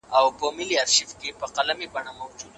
ایا هغه به د مازدیګر له پنځه نیمو بجو وروسته زنګ ووهي؟